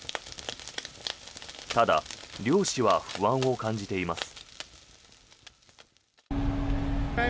ただ漁師は不安を感じています。